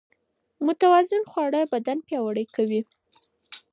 متوازن خواړه بدن پياوړی کوي.